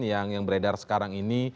yang beredar sekarang ini